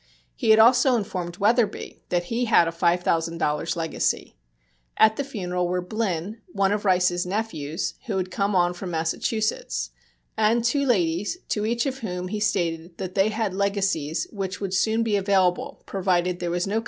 He had also informed Wetherbee that he had a five thousand dollars' legacy. At the funeral were Blynn, one of Rice's nephews, who had come on from Massachusetts, and two ladies, to each of whom he stated that they had legacies which would soon be available provided there was no contest of the will.